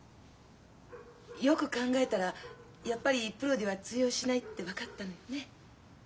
よく考えたらやっぱりプロでは通用しないって分かったのよね。